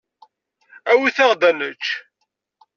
Awit-aɣ-d ad nečč.